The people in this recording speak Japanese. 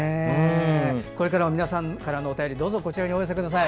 これからも皆さんからのお便りどうぞお寄せください。